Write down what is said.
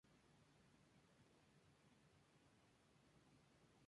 Desconocemos como pudo ser el hospital de pobres de Castielfabib.